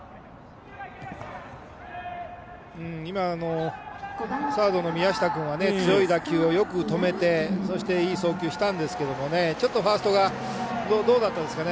今のサードの宮下君は強い打球をよく止めてそして、いい送球をしたんですけどちょっとファーストがどうだったんですかね。